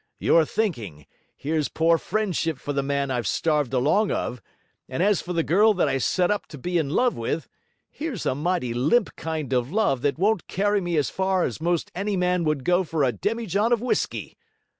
You're thinking, Here's poor friendship for the man I've starved along of, and as for the girl that I set up to be in love with, here's a mighty limp kind of a love that won't carry me as far as 'most any man would go for a demijohn of whisky.